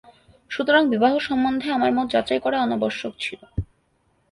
সুতরাং, বিবাহসম্বন্ধে আমার মত যাচাই করা অনাবশ্যক ছিল।